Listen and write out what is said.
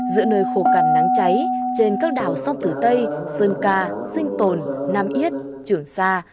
giữa nơi khô cằn nắng cháy trên các đảo sóc tử tây sơn ca sinh tồn nam yết trường sa